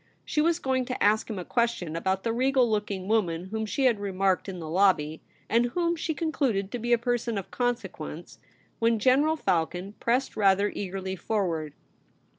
She was going to ask him a question about the regal looking woman whom she had remarked in the lobby, and whom she concluded to be a person of consequence, when General Palcon pressed rather eagerly forward.